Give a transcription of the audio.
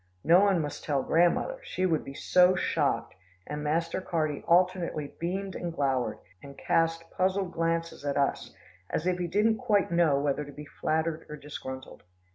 No one must tell Grandmother, she would be so shocked, and Master Carty alternately beamed and glowered, and cast puzzled glances at us, as if he didn't quite know whether to be flattered or disgruntled.